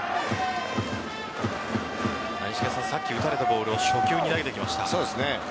さっき打たれたボールを初球に投げてきました。